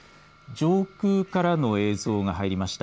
上空からの映像が入りました。